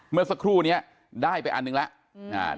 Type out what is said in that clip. เมื่อสักครู่นี้ได้ไปอันหนึ่งแล้ว